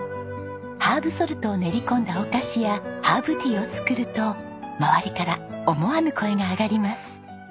ハーブソルトを練り込んだお菓子やハーブティーを作ると周りから思わぬ声が上がります。